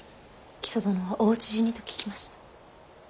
木曽殿はお討ち死にと聞きました。